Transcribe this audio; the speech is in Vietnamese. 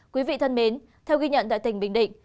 quý vị thân mến theo ghi nhận tại tỉnh bình định